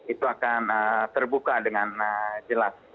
itu akan terbuka dengan jelas